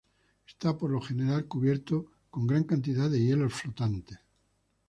Está por lo general cubierto por gran cantidad de hielos flotantes.